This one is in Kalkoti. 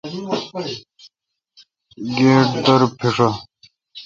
گیٹ در پیݭہ۔